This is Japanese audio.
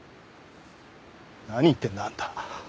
何言ってるんだあんた。